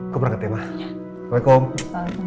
keberangkat ya ma waalaikumsalam